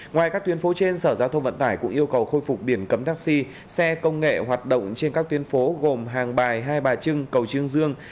ngoài các tuyến phố trên sở giao thông vận tải cũng yêu cầu khôi phục biển cấm taxi xe công nghệ hoạt động trên các tuyến phố gồm hàng bài hai bà trưng cầu trương dương